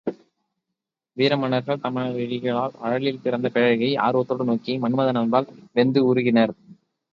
வீர மன்னர்கள் தம விழிகளால் அழலில் பிறந்த பேரழகியை ஆர்வத்தோடு நோக்கி மன்மதன் அம்பால் வெந்து உருகினர்.